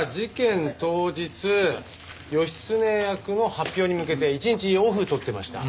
当日義経役の発表に向けて一日オフ取ってました。